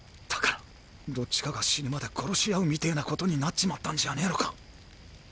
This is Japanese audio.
だからどっちかが死ぬまで殺し合うみてぇなことになっちまったんじゃねぇのか？